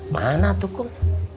mana tuh kum